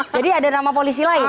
jadi ada nama polisi lain